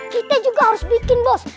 kita juga harus bikin bos